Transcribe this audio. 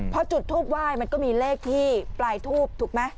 พอจุดทูปไหว้มันก็มีเลขที่ปลายทูบถูกไหม